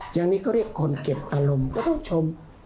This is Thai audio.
อย่างนี้เขาเรียกคนเก็บอารมณ์ก็ต้องชม